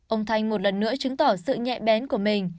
ông thanh một lần nữa chứng tỏ sự nhạy bén của mình